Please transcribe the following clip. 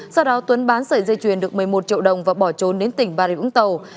sau đó tuấn bán sợi dây chuyền được một mươi một triệu đồng và bỏ trốn đến tỉnh bà rịa vũng tàu